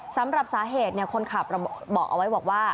สำหรับสาเหตุเนี่ยคนขับบอกเอาไว้ว่า